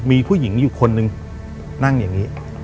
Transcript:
มีผู้หญิงอยู่คนหนึ่งนั่งอย่างนี้